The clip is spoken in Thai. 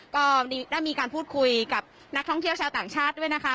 ก็ได้มีการพูดคุยกับนักท่องเที่ยวชาวต่างชาติด้วยนะคะ